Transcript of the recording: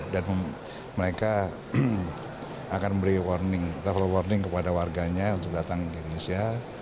dan mereka akan memberi warning warning kepada warganya untuk datang ke indonesia